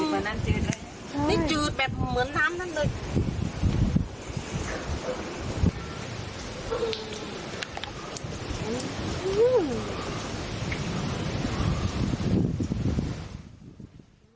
อันนี้จืดแบบเหมือนน้ำนั่นเลย